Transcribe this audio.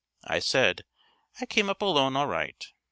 I said, "I came up alone, alright."